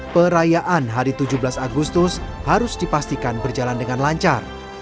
perayaan hari tujuh belas agustus harus dipastikan berjalan dengan lancar